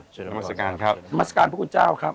ช่วยด้วยขอน้ำมัศกาลพระคูณเจ้าครับ